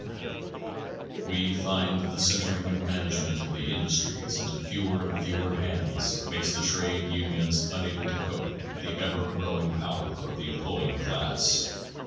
JW/CMty > We find that the centering of management of the industries into fewer and fewer hands makes the trade unions unable to cope with the ever growing power of the employing class.